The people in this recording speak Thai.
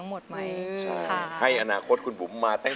อายุ๒๔ปีวันนี้บุ๋มนะคะ